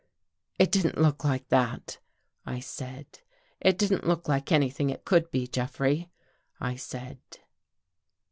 " It didn't look like that," I said. " It didn't look like anything it could be, Jeffrey," I said.